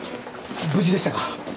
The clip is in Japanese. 無事でしたか。